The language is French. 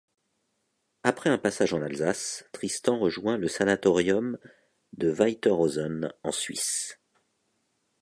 Après un passage en Alsace, Tristan rejoint le sanatorium de Weiterhausen en Suisse.